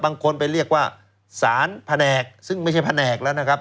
บางคนไปเรียกว่าสารแผนกซึ่งไม่ใช่แผนกแล้วนะครับ